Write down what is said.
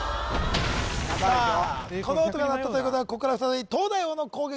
この音が鳴ったということはこっからは再び東大王の攻撃